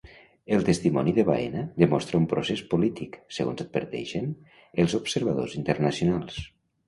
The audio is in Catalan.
El testimoni de Baena demostra un procés polític, segons adverteixen els observadors internacionals.